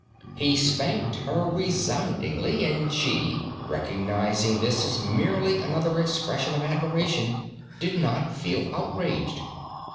He spanked her resoundingly, and she, recognizing this as merely another expression of admiration, did not feel outraged.